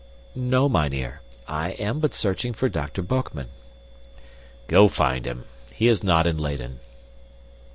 "No, mynheer, I am but searching for Dr. Boekman." "Go find him. He is not in Leyden."